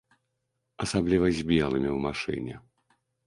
Асабліва з белымі ў машыне.